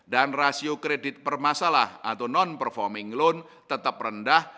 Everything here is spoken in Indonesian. dan rasio kredit permasalah atau non performing loan tetap rendah